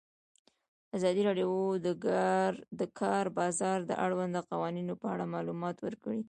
ازادي راډیو د د کار بازار د اړونده قوانینو په اړه معلومات ورکړي.